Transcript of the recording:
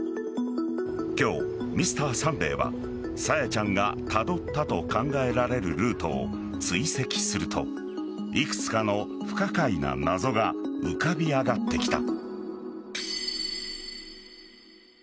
今日「Ｍｒ．サンデー」は朝芽ちゃんがたどったと考えられるルートを追跡するといくつかの不可解な謎が浮かび上がってきた。